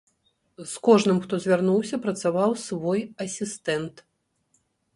З кожным, хто звярнуўся, працаваў свой асістэнт.